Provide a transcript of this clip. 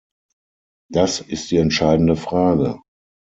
Das ist die entscheidende Frage!